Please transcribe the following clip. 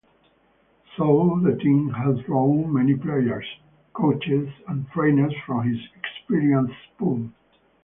So the team has drawn many players, coaches, and trainers from this experienced pool.